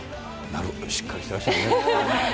しっかりしてらっしゃるね。